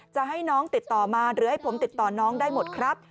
จะให้น้องติดต่อมาหรือให้ผมติดต่อน้องได้หมดครับ